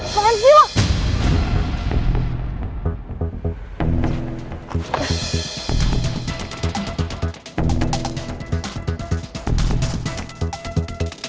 paham sih lo